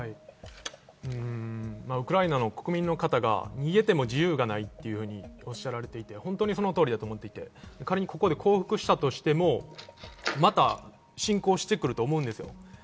ウクライナの国民の方が逃げても自由がないというようにおっしゃられていて、その通りだと思っていて、仮にここで降伏したとしてもまた侵攻してくると思うんですよ。